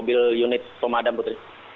mobil unit pemadam putri